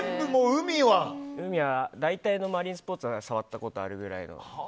海は大体のマリンスポーツは触ったぐらいの。